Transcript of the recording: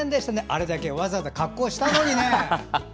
あれだけわざわざ格好したのにね。